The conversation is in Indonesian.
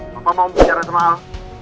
papa mau bicara sama al